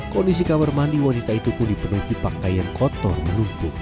kondisi kamar mandi wanita itu pun dipenuhi pakaian kotor menumpuk